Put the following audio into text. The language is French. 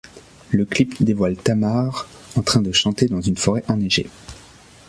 Le clip dévoile Tamar en train de chanter dans une forêt enneigée.